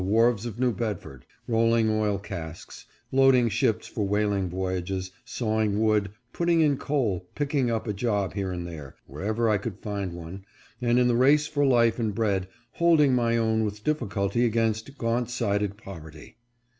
567 wharves of New Bedford, rolling oil casks, loading ships for whaling voyages, sawing wood, putting in coal, pick ing up a job here and there, wherever I could find one, and in the race for life and bread, holding my own with difficulty against gauntsided poverty.